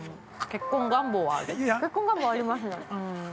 ◆結婚願望はありますね。